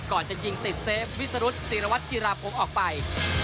ก่อนจะยิงติดเซฟวิสรุทธ์ศิลวัฒน์จิราปมออกไป